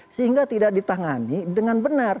sehingga tidak ditangani dengan benar